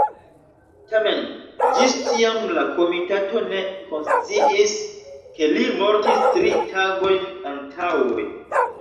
Tamen, ĝis tiam la komitato ne konsciis ke li mortis tri tagojn antaŭe.